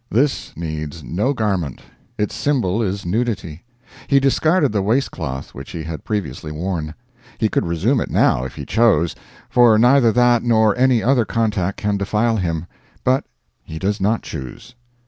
This needs no garment; its symbol is nudity; he discarded the waist cloth which he had previously worn. He could resume it now if he chose, for neither that nor any other contact can defile him; but he does not choose.